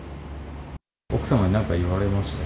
奥様に何か言われました？